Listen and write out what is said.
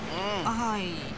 はい。